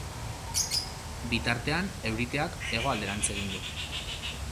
Bitartean, euriteak hegoalderantz egin du.